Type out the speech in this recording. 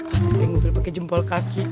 masa saya ngufil pake jempol kaki